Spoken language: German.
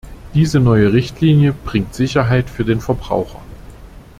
Diese neue Richtlinie bringt Sicherheit für den Verbraucher.